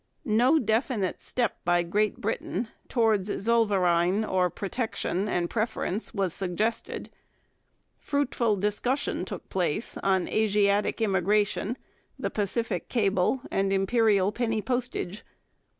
No definite step by Great Britain towards zollverein or protection and preference was suggested. Fruitful discussion took place on Asiatic immigration, the Pacific cable, and imperial penny postage.